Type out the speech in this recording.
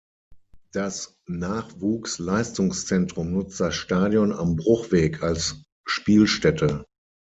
Das Nachwuchsleistungszentrum nutzt das Stadion am Bruchweg als Spielstätte.